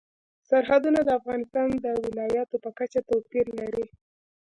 سرحدونه د افغانستان د ولایاتو په کچه توپیر لري.